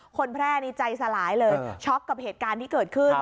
แพร่นี้ใจสลายเลยช็อกกับเหตุการณ์ที่เกิดขึ้น